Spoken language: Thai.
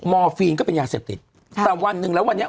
อร์ฟีนก็เป็นยาเสพติดแต่วันหนึ่งแล้ววันนี้